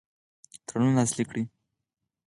تړون لاسلیک کړي.